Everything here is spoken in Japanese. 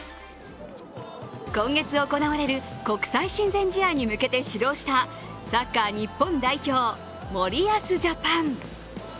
今月行われる国際親善試合に向けて始動したサッカー日本代表、森保ジャパン。